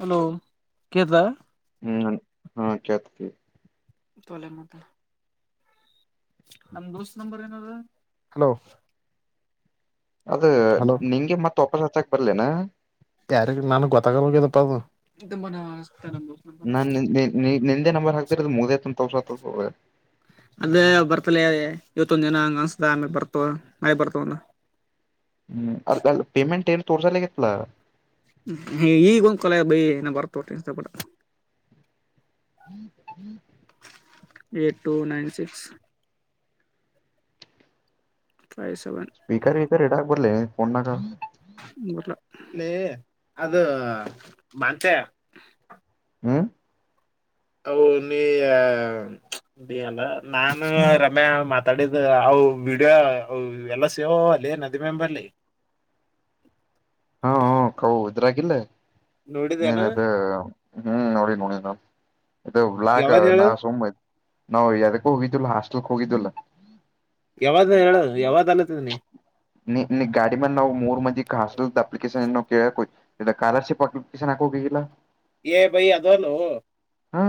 Hello ಕಳ್ತ. ಹ್ಮ್ ಹಾ ಕೆಳ್ತು. ತೊಲಿ ಮುದ. ನಮ್ ದೋಸ್ತ್ ನಂಬರ್ ಏನದ ಹಲೋ. ಅದ ಹಲೋ ನಿಂಗೆ ಮತ್ತ್ ವಾಪಸ್ ಹಚ್ಚಕ್ ಬರ್ಲೇನಾ. ಯ್ಯಾರ ನನ್ಗೆ ಗೊತ್ತಾಗಲ್ಲಪ್ಪದು. ನಾನ್ ನಿಂದ್ ನಿ ನಿ ನಿಂದೆ ನಂಬರ್ ಹಾಕ್ತಿರೋದು ಮುಗ್ದೋಯ್ತು ಅಂತ ತೋರ್ಸೋತ್ತತ. ಅದೆ ಬರ್ತಲೆ ಇವತ್ತೊಂದ್ ದಿನ ಹಂಗ ಅನ್ಸ್ದ ಆಮೇಗ ಬರ್ತವ ನಾಳೆ ಬರ್ತಾವೆನ. ಹ್ಮ್ ಅದ್ರ್ ಪೇಮೆಂಟ್ ಪೇಮೆಂಟ್ ಏನ್ ತೋರ್ಸಲಿಗೊತ್ಲ. ಈಗ ಒಂದ್ ಕೋಲೆ ಬೈ ಏನ ಬರ್ತೋಟ್ಟ ಇಸಪಡ. [inaudible] Eight two nine six. Five seven speaker ಗೀಕರ್ ಇಡ ಆಕ್ ಬರ್ಲೆ ಫೋನ್ ನಾಗ. ಬರ್ಲಾ ಲೇ ಅದು ಮಂಚ. ಹಾಂ ಹೌ ನೀಯ. ಬೀ ಅಲ್ಲ ನಾನ ರಮ್ಯಾ ಮಾತಾಡಿದ ಅವು ವಿಡಿಯೋ ಎಲ್ಲ ಸೇವ್ ಅವ ಅಲ್ಲಿ. ಎ ನದಿ ಮೆಂಬರ್ಲ್ಲೇ. ಹಾ ಹಾ ಕೌ ಇದ್ರಾಗಿಲ್ಲ ನೀನ್ ನೋಡಿದೇನ ಅದ ಹ್ಮ್ ನೋಡಿ ನೋಡಿ ನ. ಅದೇ ಬ್ಲಾಗ ಯಾವ್ದ್ ನಾ ಹೇಳು ಸುಮ್ನೆ ನಾ ಯದಕ್ಕ ಹೋಗಿದ್ದುಲ್ಲ ಹಾಸ್ಟೆಲ್ಕ್ ಹೋಗಿದ್ದುಲ್ಲ. ಯಾವ್ದ ಹೇಳು ಯಾವ್ದ್ ಅದತದನಿ. ನೀ ನೀ ಗಾಡಿ ಮಂದ್ ನಾವು ಮೂರ್ ಮಂದಿ ಹಾಸ್ಟಲ್ದ ಅಪ್ಲಿಕೇಶನ್. [unintelligible] ಸ್ಕಾಲರ್ಶಿಪ್ ಅಪ್ಲಿಕೇಶನ್ ಆಕೋಗ ಅಗಿಇಲ್ಲ. ಏ ಭೈ ಅದಲ್ಲೋ. ಹಾ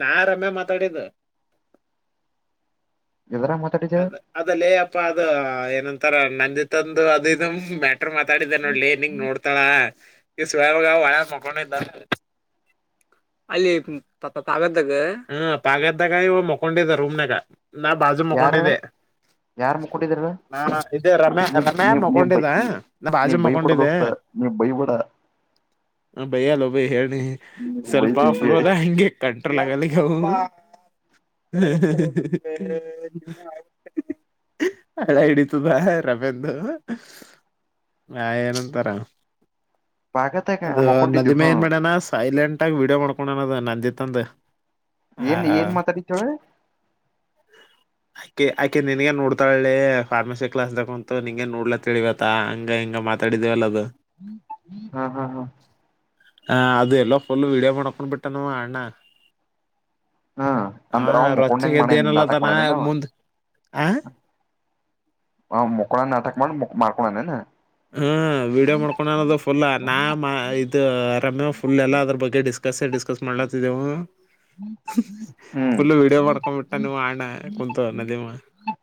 ನಾ ರಮ್ಯ ಮಾತಾಡಿದ್ದು. ಎದರಾಗ ಮಾತಾಡಿದ ಅ ಅದಲ್ಲೆ ಅಪ್ಪಾ ಅದ ಏನಂತಾರ ನಂಜಿ ತಂದು ಅದು ಇದು ಮ ಮಾತಾಡಿದ್ದೆ ನೋಡ್ಲಿ ನಿಂಗ ನೋಡ್ತಾಳ ಈ ಸ್ಯಾವಾಗ ಒಳ ಮಕೊಂಡ್ದ ಹ ಅಲ್ಲಿ ಪ ಪ ಪ ಪಾಗದ್ದಾಗ ಹ್ಮ ಪಾಗದ್ದಾಗ ಇವ ಮಕೊಂಡಿದ್ದ ರೂಮ್ನಾಗ ನಾ ಬಾಜು ಯಾರ ತಕೊಂಡಿದ್ದೆ. ಯಾರ್ ಮುಕ್ಕಟ್ಟಿದರು. ನಾ ಇದೆ ರಮ್ಯಾ ರಮ್ಯಾ ಮಕೊಂಡಿದ್ದೆ ನ ನೀ ಬಾಜು ಬೈಬಿಡ ಮಕೊಂಡಿದ್ದೆ. ದೋಸ್ತ ನೀ ಬೈಬಿಡ ಹ ಬಯ್ಯಲ್ಲ ಬಯ್ ಹೇಳಿ ನೀ ಸ್ವಲ್ಪ ಬೈದಿ ಈಗ ಫ್ಲೋ ದ ಹಂಗೆ ಕಂಟ್ರಲ್ ಆಗಲ್ಲಿ. [unintelligible] ಹಳ್ಳ ಹಿಡಿತದಾ ರಮ್ಯಂದು. ನಾ ಏನಂತರನ. ಪಾಗತಾಗ ಅದು ಮಕೊಂಡಿದ್ದು ನದಿ ಮೇ ಹಾ ಏನ್ ಮಾಡ್ಯಾಣ ಸೈಲೆಂಟ್ ಆಗಿ ವೀಡಿಯೋ ಮಾಡ್ಕೊಂಡಣದು ನಂದಿತ್ಂದು. ಏನ್ ಏನ್ ಮಾತಾಡತಳೊ. ಆಕಿ ಆಕಿ ನಿನ್ಗೇ ನೋಡ್ತಾಳ್ಳೆ ಫಾರ್ಮಸಿ ಕ್ಲಾಸ್ ದಾಕುಂತು ನಿಂಗೆ ನೋಡ್ಲ ತಿವತ್ತ ಹಂಗ ಹಿಂಗ. ಮಾತಾಡಿದೇವಲ್ಲ ಅದು. ಹಾ ಹಾ ಹಾ ಹ ಅದು ಎಲ್ಲ ಫುಲ್ ವೀಡಿಯೋ ಮಾಡಕೊಂಡ್ ಬಿಟ್ಟಣ ಅಣ್ಣ. ಹಾ ಹಾ ಅಂದ್ರ ಅವ್ ಮುಕೊಂಡಂಗ ರೊಚ್ಚೆಗೆ ಮಾಡ ಎದ್ದೇ ನಾಟಕ ಎನಲ್ಲತಾನ ಮಾಡೇನ ಅವ ಮುಂದ್. ಆಂ ಹ ಮಕ್ಕೊಳ ನಾಟಕ ಮಾಡಿ ಮಾಡ್ಕೊಂಡನೇನು. ಹ್ಮ್ ವಿಡಿಯೋ ಮಾಡ್ಕೊಂಡು ಅದು ಫುಲ್ ನಾ ಮ ಇದು ರಮ್ಯ ಫುಲ್ ಎಲ್ಲ ಅದ್ರ ಬಗ್ಗೆ ಡಿಸ್ಕಸ್ಸೆ ಡಿಸ್ಕಸ್ ಮಾಡ ಅತಿದೆವು. ಹ್ಮ್ ಫುಲ್ ವೀಡಿಯೋ ಮಾಡ್ಕೊ ಬಿಟ್ಟ ನಿಮ್ಮ್ ಅಣ್ಣ ನದಿಮ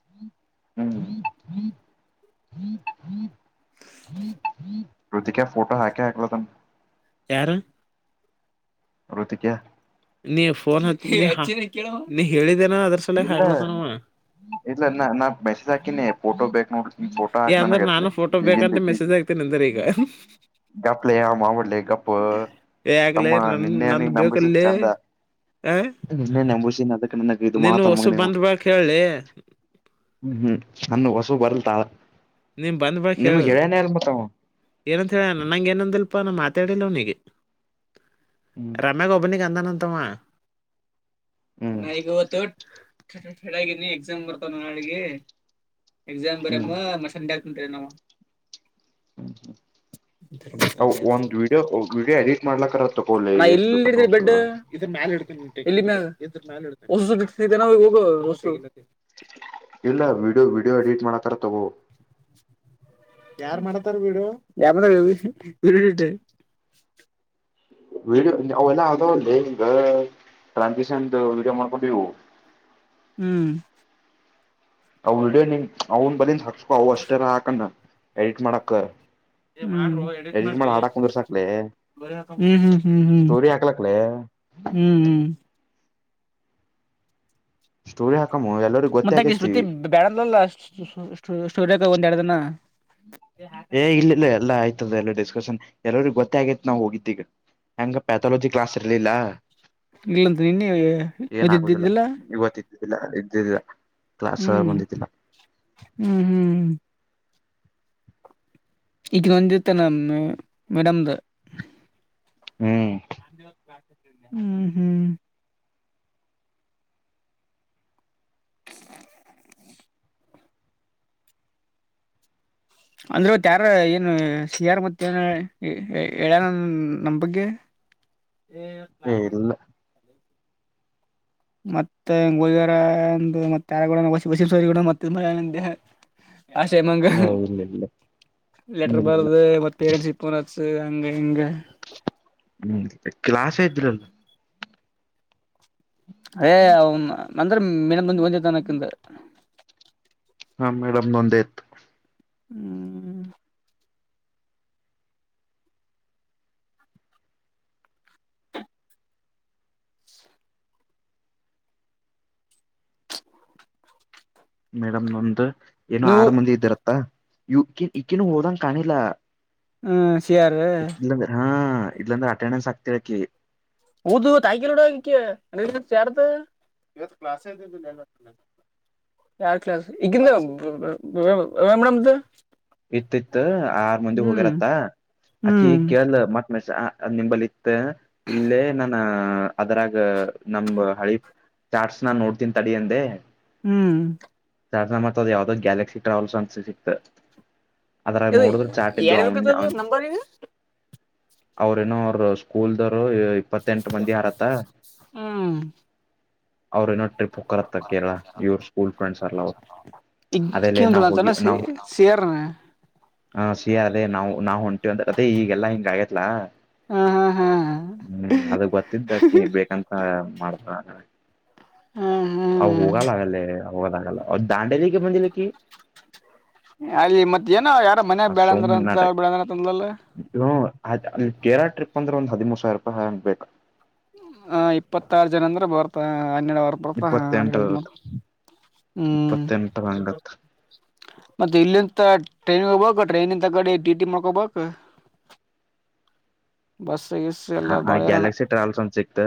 ಹ್ಮ್್ಮ ಕೃತಿಕ ಫೋಟೋ ಹಾಕೆ ಹಾಕ್ಲ ತನ್ ಯಾರು ಕೃತಿಕ ನೀ ಫೋನ್ ಹತ್ತ ನೀ ಹೇಳಿದ ಇಲ್ಲ ಇಲ್ಲ ನಾ ನಾ ಮೆಸೇಜ್ ಹಾಕಿನೆ ಫೋಟೋ ಬೇಕ್ ನೋಡ ಫೋಟೋ ಏ ಹಾಕ್ ಅಂದ್ರ ನನಗ ನಾನು ಫೋಟೋ ಈಗಂದು ಬೇಕಂತ ಈಗ ಮೆಸೇಜ್ ಆಗ್ತೇನಿ ಅಂದ್ರ ಈಗ ಗಪ್ಲ ಮಾಡ್ಲಿ ಗಪ್ಪ ತಮ್ಮ ಯಾಕಲೇ ನನ್ ನಿನ್ನೆ ನೀ ನಂದು ನಂಬಿಸಿ ಬೇಕಲ್ಲೇ ಚಂದ ಆ ನಿನ್ನೆ ನೆಂಬುಷಿ ಅದಕ್ಕೆ ನನ್ನಗೆ ಇದು ನೀನು ಮಾಡತ ಹೊಸು ನಮಗೆ ಹ್ಮ್ ಬಂದ್ ಬಾಕ್ ಹೇಳಿ ಹ್ಮ್ ಅಣ್ಣ ಹೊಸು ಬರ್ಲ್ತಾ ನೀನ್ ಬಂದ್ ಬಿಡಕ್ ಹೇಳು ಏನಂತ ಹೇಳ ನಂಗ ಏನಂದಲ್ಲ ಮಾತಾಡಿಲ್ಲ ಅವನಿಗೆ ಹ್ಮ್ ರಮ್ಯ ಒಬ್ಬನಿಗ ನನ್ ಅಂತವಾ ಹ್ಮ್ ಹೇಳಾಗಿನಿ ಎಕ್ಸಾಮ್ ಬರ್ತವ ನಾಳಿಗೆ ಎಕ್ಸಾಮ್ ಹ್ಮ್ ಬರಮ್ಮ ಮ ಇಕ ನವಾ ಹ್ಮ ಹ್ಮ ಹ ಒಂದ್ ವಿಡಿಯೋ ವಿಡಿಯೋ ಎಡಿಟ್ ಮಾಡ್ಲಕ್ಕ ತಗೊಲ್ಲ ಎಷ್ಟ ಬೇಕತ್ ಹೊ ನ ಹೋಗ ಇಲ್ಲ ವಿಡಿಯೋ ವಿಡಿಯೋ ಎಡಿಟ್ ಮಾಡಕಾರ ತಗೋ ಯಾರ್ ಮಾಡತಾರ ವಿಡಿಯೋ ಯಾರ ವಿಡಿಯೋ ಅವೆಲ್ಲ ಅದಾವ ಅಲ್ಲಿ ಲೇ ಈಗ ಟ್ರಾನ್ಸಾಕ್ಷನ್ ವಿಡಿಯೋ ಮಾಡಕೊಂಡ ಹವೋ ಹ್ಮ್ ಅವ ವಿಡಿಯೋ ನಿಮ ಅವನ್ ಬಲಿಂದ ಹಾಕ್ಸ್ಕೊ ಅವ ಅಷ್ಟೆರ ಹಾಕಣ ಎಡಿಟ್ ಮಾಡಕ್ ಏ ಮಾಡ್ರೋ ಎಡಿಟ್ ಮಾಡ ಮಾಡ್ರಿ ಹಾಡಾಕ್ ಮುಂದರ್ಸಕ್ಲೆ ಹ್ಮ್ ಹ್ಮ್ ಹ್ಮ್ ಹ್ಮ್ ಹ್ಮ್ ಹ್ಮ್ ಸ್ಟೋರಿ ಹ ಮತ್ತಾಗಿ ಶ್ರುತಿ ಬ್ಯಾಡದಲ್ಲ ಸ್ಟೂಡಿಯೋಗೆ ಒಂದ್ ಎರಡು ದಿನ ಏ ಇಲ್ಲ ಇಲ್ಲ ಎಲ್ಲಾ ಆಯ್ತದೆ ಎಲ್ಲ ಡಿಸ್ಕಷನ್ ಎಲ್ಲರಿಗ್ ಗೊತ್ತೇ ಆಗೈತ್ ನಾವ್ ಹೋಗಿದ್ದೀಗ ಹೆಂಗ ಪ್ಯಾಥಾಲಜಿ ಕ್ಲಾಸ್ ಇರ್ಲಿಲ್ಲ ಇಲ್ಲಂತ ನಿನ್ನ ಇದಿದ್ದಿದ್ದಿಲ್ಲ ಇಲ್ಲ ಇದ್ದಿಲ್ಲ ಹ್ಮ್ ಹ್ಮ್ ಹ್ಮ್ ಹ್ಮ್ ಇಗ ನಂದಿತ್ ನನ್ನ ಮೇಡಂ ಹ್ಮ್ ಹ್ಮ್ ಹ್ಮ್ ಅಂದ್ರತ್ತ ಯಾರ ಏನು ಸಿ ಯಾರ್ ಮತ್ತೆ ಏನ ಹೇಳ್ಯಾನ ನಮ್ಮ್ ಬಗ್ಗೆ ಏ ಇಲ್ಲ ಮತ್ತೆ ಹೋಗಿಯಾರ ಮತ್ತೆ ಯಾರ ಬಸ ಮತ್ತ ಮಳ ಹ ಆಶೆ ಮಂಗ ಲೆಟರ್ ಇಲ್ಲಿಲ್ಲ ಬರ್ದು ಮತ್ ಪೇರೆಂಟ್ಸ್ ಇನ್ ಸ ಹಂಗೆ ಹಿಗೆ ಹ್ಮ್ ಕ್ಲಾಸ್ ಆಯ್ತ್ರಿ ೇ ಅವ ಅಂದರ ಮೇಡಮ್ ಮುಂದ ವೈತೇತನಿಕ್ಕಿಂದು ಹಾ ಮೇಡಮ್ ನೊಂದಾಯತ್ತು ಹ್ಮ್ ಮೇಡಮ್ ನಮ್ದ ಏನೋ ನೀವು ಆರು ಮಂದಿ ಇದ್ದಿರತ್ತಾ ಯ ಇಕ್ಕಿನು ಹೋದಂಗ ಕಾಣಿಲ್ಲ ಹ್ಮ ಇಲ್ಲಾಂದ್ರೆ ಹಾ ಇಲ್ಲಾಂದ್ರೆ ಅಟೆಂಡೆನ್ಸ್ ಆಕ್ತಿರಕಿ ಊದು ತಾಯಕೀಲೋಡ ಸೇಾರದು ಇವತ್ತು ಕ್ಲಾಸ್ ಎ್ದ ಯಾರ್ ಕ್ಲಾಸ್ ಈಗಿಂದ ಮೇಡಮ್ದ ಇತ್ತ ಇತ್ತು ಆರ್ ಮಂದಿ ಹೋಗ್ಯರತ್ತ ಅಕಿ ಹ್ಮ್ ಕೇಳ ಮತ್ತ ನಿಂಬಲಿ ಇತ್ತ ಇಲ್ಲೇ ನಾನ ಅದರಾಗ ನಮ ಹಳಿ ಚಾ್ಟ್ಸ್ ನಾ ನೋಡ್ತೀನ್ ತಡಿ ಅಂದೆ ಹ್ಮ್ ಸ ಮತ್ತ ಅ್ ಯಾವ್ದ್ ಗ್ಯಾಲಕ್ಸಿ ಟ್ರಾವೆಲ್ಸ್ ಅನ್ಸ್ ಸಿಕ್ತ ಅದ್ರ ಇದು ನೋಡಿದ್ರ ಚಾಟ್ ಯಾರ್ ಅವನ್ ಬೇಕದು ಅವನ್ ನಂಬರ್ ಈಗ ಅವ್ರ ನೋ ಅವ್ರ ಸ್ಕೂಲ್ ದ ಇಪ್ಪತ್ತೆಂಟು ಮಂದಿ ಯಾರತ್ತ ಹ್ಮ್ ಅವ್ರ ನೋ ಟ್ರಿಪ್ ಹಕರತ ಕೇಳಾ ಇವ್ರ ಸ್ಕೂಲ್ ಅಲೆ ಇಕ್ಕಂದಳ ನಾವ್ ಹೋಗಿ ಅಂತಾನ ನಾವ್ ಸೇರ್ನ ಹಾ ಸಿ ಅದೇ ನಾವು ನಾವು ಹೊಂಟಿವವಂದ ಅದೇ ಈಗೆಲ್ಲಾ ಹಿಂಗ ಆಗೇತ್ಲ ಹ ಹಾ ಹಾ ಹ್ಮ್ ಅದು ಗೊತ್ತಿದ್ದಕಿ ಬೇಕಂತ ಮಾಡಬ ಹ್ಮ್ ಅ ಹ್ಮ್ ಹೋಗಲ್ಲಾಗಲ್ಲ ಹೋಗಾಗಲ್ಲ ಅವ ದಾಂಡಲಿಗೆ ಬಂದಿಲ್ಲ ಅಲ್ಲಿ ಮತ್ತತ್ ನ ಯಾರ ಮನ್ಯ ಬ್ಯಾಡಂದ್ರ ಅಂತ ಬಳಂದ್ರ ಅಂದಲಲ್ಲ ಹ್ ಅಲ್ಲಿ ಕೇರಳ ಟ್ರಿಪ್ ಅಂದ್ರೆ ಒಂದ್ ಹದಿಮೂರ್ ಸಾವಿರ ರೂಪಾಯಿ ಹಬೇಕಾ ಹ ಇಪ್ಪತ್ತಾರು ಜನ ಅಂದ್ರ ಬರ್ತಾ ಹನ್ನೆರಡುವರ್ ಬರ್ತ ಹ ಹನ್ನೆರ ಇಪ್ಪತ್ತೆಂಟರ ಮೂ ಹ್ಮ್ ಇಪ್ಪತ್ತೆಂಟರ ಹಂಗತ್ ಮತ್ತೆ ಇಲ್ಲಿಂತ ಟ್ರೈನ್ ಹೋಗಬಬೇಕ ಟ್ರೈನ ಇಂತ ಗಡಿ ಟಿ ಟಿ ಮಾಡ್ಕೊಬಬೇಕ ಬಸ್ ಗಿಸ್ ಎಲ್ಲ ಹಾ ಬಾಳ ಹೈರಾಣ ಗ್ಯಾಲಕ್ಸಿ ಟ್ರಾವಲ್ಸ್ ಒಂತ ಸಿಗ್ತ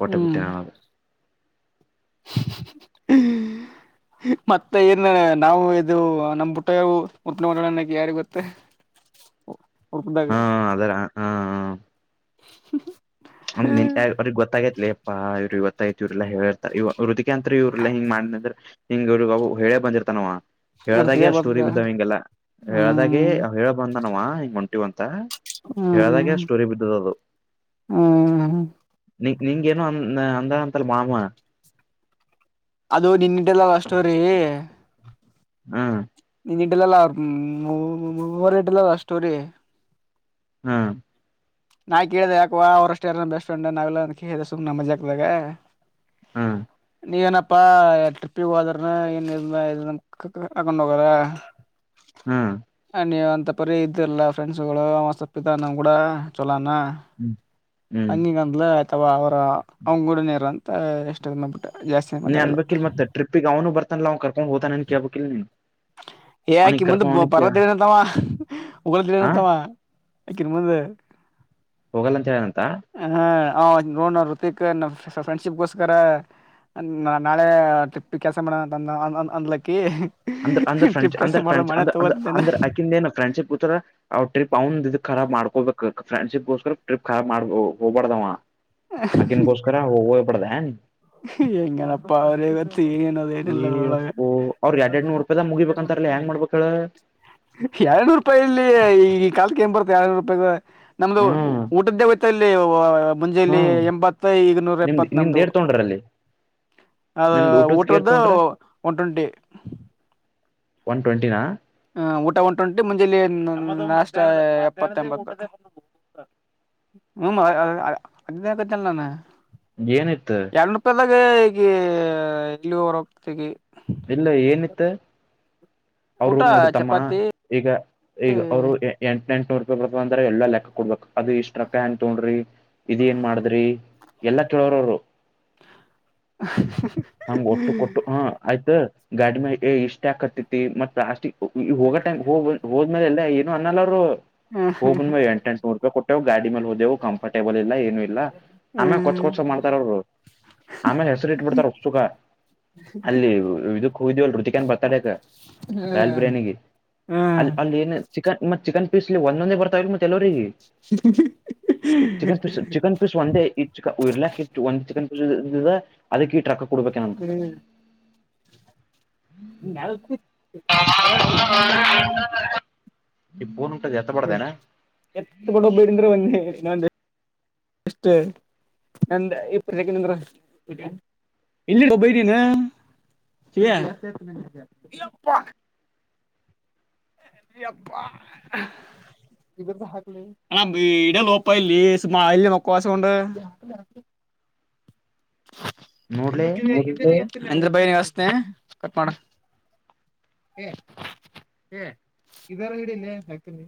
ಕಟೆ ಬುಟ್ಟಿ ಹ್ಮ್ ನ ಮತ್ತೆ ಏನ್ ನಾವು ಇದು ನಮ್ ಬುಟ್ಟ ಮುಟ್ಟಿನಟ್ಟಕ ಯಾರಿ ಗೊತ್ತೆ ಹಾ ಅದರ ಹಾ ಹಾ ಹ ನಂದ್ ನಿ ಅವ್ರಿಗೆ ಗೊತ್ತಾಗೈತ್ಲಿಪ್ಪಾ ಇವ್ ಇವತ್ತ ಐತಿ ಇವ್ರಲ್ಲ ಹೇಳ್ತ ಇ ಕಂತ್ ಇವ್ರಲ್ಲ ಹಿಂಗ ಮಾಡ್ಂದ್ರ ಹಿಂಗ ಇವ್ರಗ ಹೇಳೇ ಬಂದಿರ್ತಾನ ಹೇಳ್ದಾಗೆ ಅದ ಆ ಸ್ಟೋರಿ ಗೊತ್ತ ಬಿದ್ದಾವ ಹಿಂಗೆಲ್ಲ ಹೇಳ್ದಾಗೆ ಹ್ಮ್ ಹೇಳ ಬಂದನವ ಹಿಂಗ ಹೊಂಟಿವವ್ ಅಂತ ಹೇಳ್ದಾಗೆ ಹ್ಮ್ ಸ್ಟೋರಿ ಬಿದ್ದದ ಅದು ಹ್ಮ ಹ್ಮ್ ನಿ ನಿಂಗ ಏನೋ ಅ ಅಂದ ಅಂತಲ್ಲ ಮಾಮ ಅದು ನಿನ್ದ್ದಲ್ಲ ಅಷ್ಟೋ ರೀ ಹಾ ಇನ್ನಡ್ಲಲ್ಲ ಮೂವರಡ್ಲಲ್ಲಷ್ಟೋರಿ ಹಾ ನಾ ಕೇಳಿದೆ ಯಾಕುವ ಅವ್ರಷ್ಟ ಯಾರ ಬೆಸ್ ಫ್ರಂಡ್ ನಾವೆಲ್ಲಾ ಅಂತ ಕೇಳಿದೆ ಸು್ ನಮ್ಮಜಾಕ್ದಾಗ ಹಾ ನೀಗ ಏನಪ್ಪಾ ಟ್ರಿಪ್ಪಿಗೆ ಹೋದ್ರ ಏನ್ ಇದ ಕಕೊಂಡ್ ಹೋಗದ ಹಾ ನೀ ಅಂತ ಪರಿ ಇದ್ದ್ರಲ್ಲ ಫ್ರೆಂಡ್ಸ್ ಗಳುಪ್ಪ ನ ಕೂಡ ಚಲೋ ಹ್ಮ್ ಹಂಗಿಗೆಂದ್ಲ ಅಥವಾ ಅವರ ಅವ್ಡನೇರ ಅಂತ ಎಷ್ಟ ಬಿಟ್ಟ ನೀ ಅನ್ ವಕೀಲ್ ಮತ್ತ ಟ್ರಿಪಿಗನು ಬರ್ತಾನಲ್ಲಾಕ ಹೊತಾನ ಕ ವಕೀಲ ಯಾಕಿ ಮುಂದೆ ಪರದಳನತ್ತಾವ ಹ ಉಗ್ರದಳನತ್ತಾವ ಆಕಿನ ಮುಂದೆ ಹೋಗಲ್ಲ ಅಂತ ಹೇಳಂತೆ ಹ್ ಹೃತಿಕ್ ಫ್ರೆಂಡ್ಶಿಪ್ ಗೋಸ್ಕರ ನಾಳೆ ಟ್ರಿಪ್ ಕ್ಯೆನ್ಸಸ ಮಾಡಣಂತ ಅಂದ್ಲಕ್ಕ ಅಂದ್ರ ಅಂದ್ರ ್ರಂಡ್ ಅರ್ ಫ್ರಂಡ್ ಅ ತಗೋತನ ಅಂದ್ರ ಅಕೇ ನಫ್ರೆಂಡ್ ಶಿತರ ್ರಿಪ್ ರಾಬ್ ಮಾಡ್ಕೋಬೇಕ ಫ್ರೆಂಡ್ಶಿಪ್ಗೋಸ್ಕರ ಟ್ರಿಪ್ ಖಾಬ್ ಮಾಡ್ ಹೋಗಬಾರ್ದಾವ ಹಕನ್ಕೋಷಕಾರರಾ ವ ಪರ್ದ ನೀ ಎಂಗನಪ್ಪ ಅವರವ ತೀನಏನ ಅದೇನಲ್ಲ ಒಳಾಗ ಏಪ್ಪೋ ಅವ್ರ ಎರಡ್ ಎರಡ್ ನೂರು ರೂಪಾಯಿದಾಗ ಮುಗಿಬೇಕಂತಾರಲ್ಲ ಹೆಂಗ್ ಮಾಡ್ಬೇಕ್ ಹೇಳ ಎರನೂರು ರೂಪಾಯಿಲ್ಲಿ ಈ ಕಲ್ ಏನ್ ಬರುತ್ತೆ ಎರರು ರೂಪಾಯಿ ನಮ್ದು ಹ್ಮ್ ಊಟದ್ದೇ ಹಯ್ತ ಇಲ್ಲಿ ಮುಂಜಲಿ ಹ್ಮ್ ಎಂಬತ್ತ ಈಗ ನೂರ ನಿಮ್ದ್ ಎಪ್ಪತ್ ನಮ್ದ ನಿಮ್ದ್ ಏಟ್ ತೊಗೊಂಡ್ರ ಅಲ್ಲಿ ಅದು ನಿಮ್ದ್ ಊಟದ ಕೇರ್ ಊಟರ್ದ ತೊಗೊಂಡ್ರ ಒನ್ ಟ್ವೆಂಟಿ ಒನ್ ಟ್ವೆಂಟಿನ ಹ ಊಟ ಒ ಟ್ವೆಂಟಿ ಮುಂಜೆಯಲ್ಲಿ ನಾಷ್ಟ ಎಪ್ಪತ್ತ ಎಂಬತ್ತು ಹ್ಮ ಅ ಕಲ್ಲಾನ ಏನಿತ್ತು ಅದಾಗ ಈಗ ಇಲ್ಲಿ ಹೊರ ಹೋಗತಿಗೆ ಇಲ್ಲ ಏನಿತ್ತ ಅವರು ಊಟ ನೋಡು ತಮ್ಮ ಚಪಾತಿ ಈಗ ಈಗ ಅವರು ಎ ಎಂಟುನೂರು ರೂಾಯಿ ಬರ್ದ ಅ್ರ ಎ ಲೆಕ್ಕ ಕೊಡ್ಬೇಕ ಅದು ಇಷ್ಟ ಟಕ್ಕ ಏನ್ ತೊೊಂಡ್ರಿ ಇದ ಏನ್ ಮಾಡದ್ರಿ ಎಲ್ಲಾ ಕೆೇಳೋರವರು ಹಂಗ್ ಒಟ್ಟು ಕೊಟ್ಟು ಹ್ಮ ಹಾ ಗಾಡಿ ಮೇಲೆ ಇಷ್ಟ ಆಕತ್ತತಿ ಮತ್ತ ಲಾಸ್ ಹೋಗ ಟೈಮ್ ಹೋಗ ಹೋದ್ಮೇಲೆ ಎಲ್ಲ ಇ ಅನ್ನಲ್ಲರು ಹ್ಮ್ ಹೋಗಬಂದ ಎಂಟ ಎಂುನೂರು ರೂಪಾಯಿ ಕೊಟ್ಟೆವು ಗಾಡಿ ಮೇಲೆ ಹೋದೆವು ಕಂಫರ್ಟೇಬಲ್ ಇಲ್ಲ ಏನು ಇಲ್ಲ ಆಮೇಲೆ ಕೊಚ್ ಹ್ಮ್ ಕೊಚ್ಚ ಮಾಡ್ತಾರ ಅವರು ಆಮೇಲೆ ಹೆಸರು ಇಟ್ಬಿಡ್ತಾರ ಸುಖ ಅಲ್ಲಿ ಇದಕ್ ಹೋಗ್ದಿವವಲ್ರು ಚಿಕನ್ ಬತಾಡಕ ರಾಯಲ್ ಬಿರಿಯಾನಿಿಗೆ ಅಲ್ಲಿ ಹ್ಮ್ ಅಲ್ಲಿ ಏನು ಚಿಕನ್ ಮತ್ ಚಿಕನ್ ಪೀಸ್ಲ್ಲಿ ಒಂದೊಂದೇ ಬರ್ತಾವಿಲ್ಲ ಮತ್ತ ಎಲ್ಲವರಿಗೆ ಚಿಕನ್ ಪೀಸ್ ಚಿಕನ್ ಪೀಸ್ ಒಂದೇ ಇ ಇರ್ಲಾಕ್ಿ ಇ ಒಂದ ಚಿಕನ್ ಪೀ ಅದಕ್ಕೆ ಈ ್ರಕ್ಕ ಕೊಡ್ಬೇಕೇನಂತ ನ ಅದ ಹ ಎತ್ತ ಪಡ ಬೇಡಂದ್ರ ಒನ್ನೆ ನ ಎಷ್ಟ ನಂದ ಇಪ್ಪತ್ತು ಸೆಕೆಂಡ ಅಂದ್ರ ಇಲ್ಲಿ ಒಬ್ಬ ಇದ್ದೀನ ಸ ಅಪ್ಪಾ ಇ ಹಾಕ್ಲಿಣ ಇಡ ಲೋಪ ಇಲ್ಲಿ ಸುಮ್ಮ ಇಲ್ಲಿ ಮಕ್ಕವಾಸಕೊಂಡ [inaudible] ನೋಡ್ಲೆ ಅಂದ್ರ ಬಾಯ ನೀವಸ್ಥನೆ ಕಟ್ ಮಾಡ ಇದಾರ ಹಿಡಿಲ್ಲ ಯಾಕನಿ